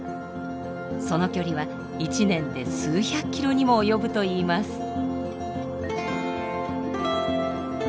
その距離は１年で数百キロにも及ぶといいます。